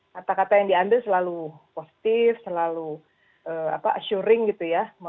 kata kata yang diambil selalu positif selalu assuring gitu ya